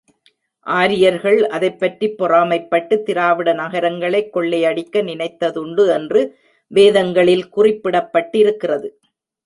ஆரியர்கள் அதைப்பற்றிப் பொறாமைப்பட்டு, திராவிட நகரங்களைக் கொள்ளையடிக்க நினைத்ததுண்டு என்று வேதங்களில் குறிப்பிடப்பட்டிருக்கிறது.